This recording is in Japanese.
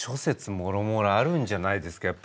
もろもろあるんじゃないですかやっぱり。